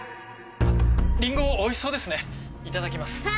リンゴおいしそうですねいただきます。